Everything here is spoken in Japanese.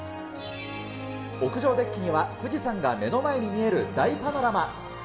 屋上デッキには、富士山が目の前に見える大パノラマ。